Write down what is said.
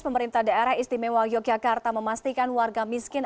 pemerintah daerah istimewa yogyakarta memastikan warga miskin